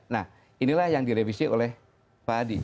nah inilah yang direvisi oleh pak adi